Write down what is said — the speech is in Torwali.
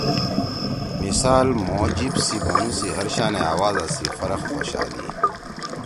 مثالمھو جیِب سی بنُو سی ہر شانے آوازا سی فرق خوشا دی!